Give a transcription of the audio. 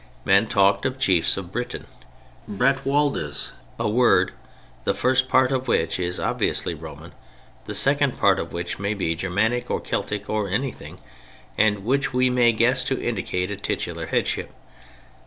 Men talked of "chiefs of Britain," "Bretwaldas," a word, the first part of which is obviously Roman, the second part of which may be Germanic or Celtic or anything, and which we may guess to indicate a titular headship.